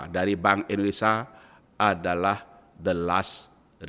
dari bank indonesia adalah berharga